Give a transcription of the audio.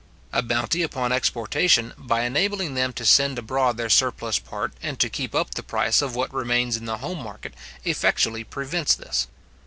A bounty upon exportation, by enabling them to send abroad their surplus part, and to keep up the price of what remains in the home market, effectually prevents this.